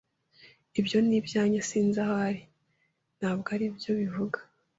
Ibyo ni ibyanjye. Sinzi aho ari. S] Ntabwo aribyo bivuga.